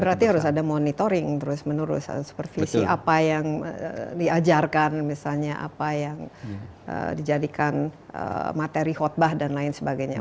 berarti harus ada monitoring terus menerus supervisi apa yang diajarkan misalnya apa yang dijadikan materi khutbah dan lain sebagainya